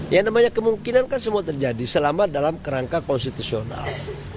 yang namanya kemungkinan kan semua terjadi selama dalam kerangka konstitusional